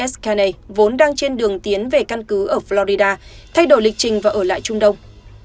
ske vốn đang trên đường tiến về căn cứ ở florida thay đổi lịch trình và ở lại trung đông